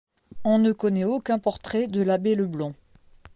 On ne connaît aucun portrait de l'abbé Leblond.